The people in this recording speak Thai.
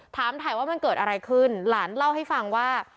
ถามถ่ายว่ามันเกิดอะไรขึ้นหลานเล่าให้ฟังว่า